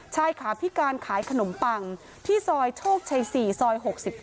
ชายขาพิการขายขนมปังที่ซอยโชคชัย๔ซอย๖๗